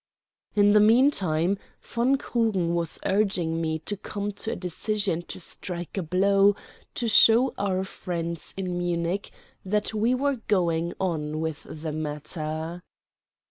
In the mean time von Krugen was urging me to come to a decision to strike a blow to show our friends in Munich that we were going on with the matter.